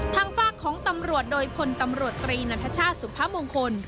ฝากของตำรวจโดยพลตำรวจตรีนัทชาติสุพมงคล